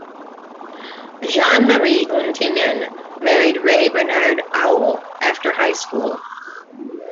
Jean Marie Untinen married Ray Bernard Auel after high school.